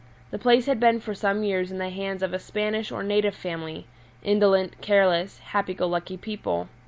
The place had been for some years in the hands of a Spanish or native family indolent, careless, happy go lucky people.